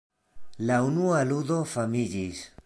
La unua ludo famiĝis.